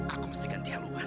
aku mesti ganti haluan